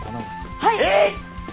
はい！